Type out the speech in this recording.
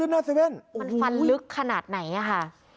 มันฟันลึกขนาดไหนค่ะ